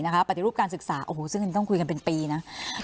นะคะปฏิรูปการศึกษาโอ้โหซึงต้องคุยกันเป็นปีนะ